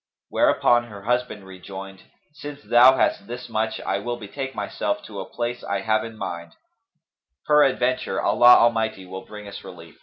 '" Whereupon her husband rejoined, "Since thou hast this much I will betake myself to a place I have in my mind; peradventure Allah Almighty will bring us relief."